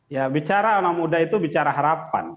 ya bicara anak muda itu bicara harapan